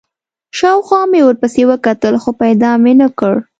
شاوخوا مې ورپسې وکتل، خو پیدا مې نه کړ.